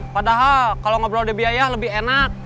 padahal kalau ngobrol di biaya lebih enak